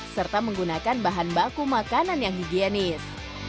serta menggunakan bahan baku makanan yang higienis